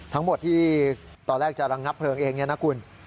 ทั้งหมดที่ตอนแรกจะระงับเพลิงเองเนี่ยนะคุณ